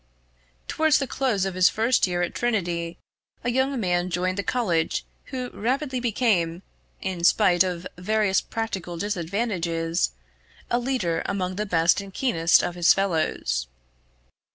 Towards the close of his first year at Trinity, & young man joined the college who rapidly became, in spite of various practical disadvantages, a leader among the best and keenest of his fellows.